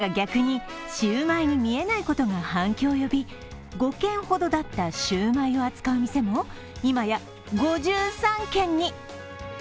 ところが、逆にシューマイに見えないことが反響を呼び、５軒ほどだったシューマイを扱う店も、今や５３軒に。